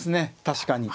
確かに。